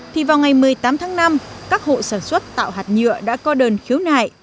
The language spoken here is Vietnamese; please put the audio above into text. thì vào ngày một mươi tám tháng năm các hộ sản xuất tạo hạt nhựa đã có đơn khiếu nại